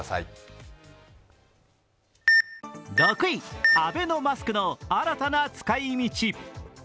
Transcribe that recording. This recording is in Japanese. ６位、アベノマスクの新たな使い道。